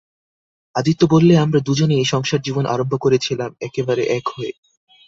আদিত্য বললে, আমরা দুজনে এ সংসারে জীবন আরম্ভ করেছিলেম একেবারে এক হয়ে।